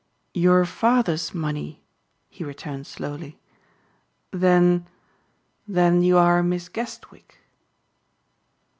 "Your father's money," he returned slowly. "Then then you are Miss Guestwick?"